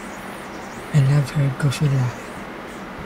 I love her goofy laugh.